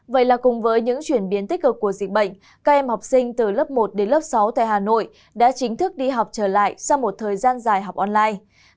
vậy là cùng với những chuyển biến tích cực của dịch bệnh các em học sinh từ lớp một đến lớp sáu tại hà nội đã chính thức đi học trở lại sau một thời gian dài học online